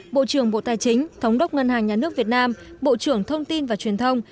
bộ trưởng bộ tài chính thống đốc ngân hàng nhà nước việt nam bộ trưởng thông tin và truyền thông